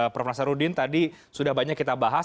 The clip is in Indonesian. prof nasarudin tadi sudah banyak kita bahas